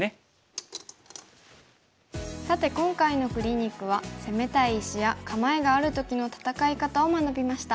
さて今回のクリニックは攻めたい石や構えがある時の戦い方を学びました。